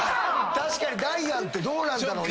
確かにダイアンってどうなんだろう？